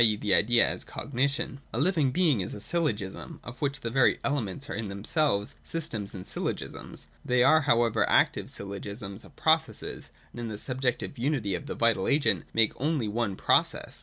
e. the idea as Cognition. 217.] A living being is a syllogism, of which the very elements are in themselves systems and syllogisms (§§ 198, 201, 207). They are however active syllogisms or processes; and in the subjective unity of the vital agent make only one process.